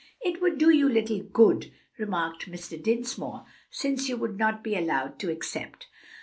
"It would do you little good," remarked Mr. Dinsmore, "since you would not be allowed to accept."